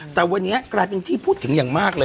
แต่วันนี้กลายเป็นที่พูดถึงอย่างมากเลย